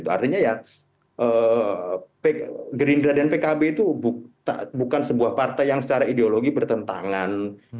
artinya ya gerindra dan pkb itu bukan sebuah partai yang secara ideologi bertentangan